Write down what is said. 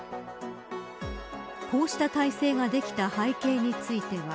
こうした体制ができた背景については。